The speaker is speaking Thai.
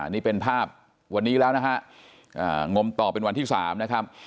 นี่เป็นภาพวันนี้แล้วนะฮะงมต่อเป็นวันที่๓นะครับ